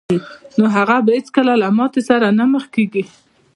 نو هغه به هېڅکله له ماتې سره نه مخ کېږي